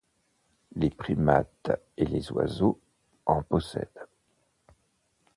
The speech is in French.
Les primates et les oiseaux en possèdent.